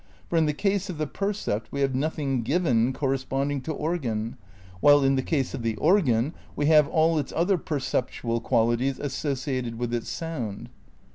For in the case of the percept we have nothing "given" corresponding to organ, while in the case of the organ we have all its other perceptual qualities associated with its sound.